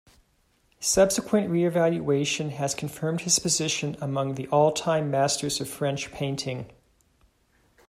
Subsequent reevaluation has confirmed his position among the all-time masters of French painting.